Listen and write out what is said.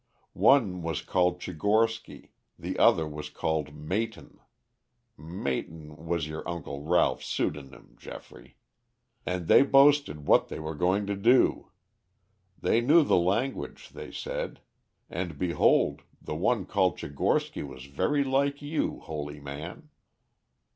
One was called Tchigorsky, the other was called Mayton' (Mayton was your uncle Ralph's pseudonym, Geoffrey), 'and they boasted what they were going to do. They knew the language, they said. And, behold, the one called Tchigorsky was very like you, holy man.'